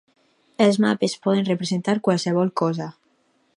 Els mapes poden representar qualsevol cosa.